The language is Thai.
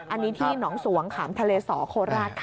อันนี้ที่หนองสวงขามทะเลสโคลรักษ์